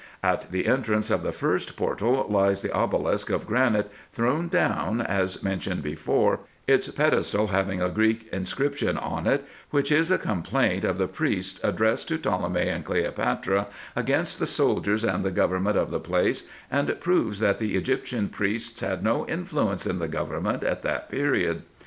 At the entrance of the first portal lies the obelisk of granite, thrown down, as men tioned before, its pedestal having a Greek inscription on it, which is a complaint of the priests, addressed to Ptolemy and Cleopatra, against the soldiers and the government of the place, and proves that the Egyptian priests had no influence in the government at that period.